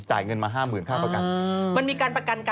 จ่ายเงินมา๕หมื่นเท่าประกัน